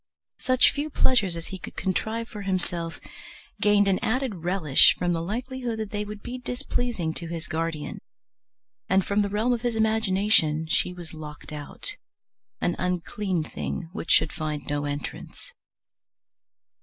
Such few pleasures as he could contrive for himself gained an added relish from the likelihood that they would be displeasing to his guardian, and from the realm of his imagination she was locked out an unclean thing, which should find no entrance.